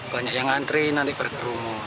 banyak yang ngantri nanti berkerumu